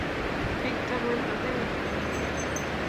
Pik taman ak aeng'.